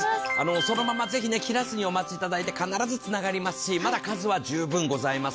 そのままぜひ、切らずにお待ちいただいて、必ずつながりますしまだ数は十分ございます。